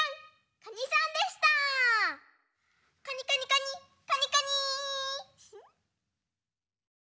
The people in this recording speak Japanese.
カニカニカニカニカニー。